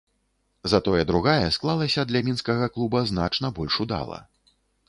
Затое другая склалася для мінскага клуба значна больш удала.